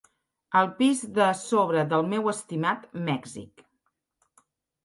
Al pis de sobre del teu estimat Mèxic.